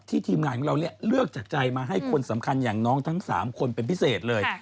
ทีมงานของเราเลือกจากใจมาให้คนสำคัญอย่างน้องทั้ง๓คนเป็นพิเศษเลย